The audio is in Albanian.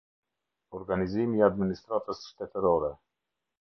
Organizimi i administratës shtetërore.